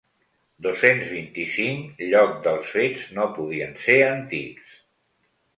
Dos-cents vint-i-cinc lloc dels fets no podien ser antics.